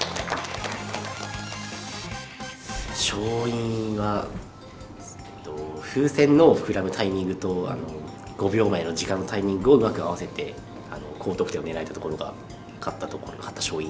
勝因はえっと風船の膨らむタイミングと５秒前の時間のタイミングをうまく合わせて高得点を狙えたところが勝ったところ勝った勝因。